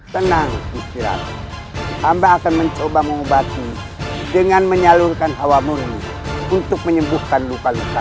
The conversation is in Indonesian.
tenang istirahat anda akan mencoba mengobati dengan menyalurkan hawa murni untuk menyembuhkan luka luka